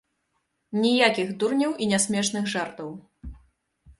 Ніякіх дурняў і нясмешных жартаў!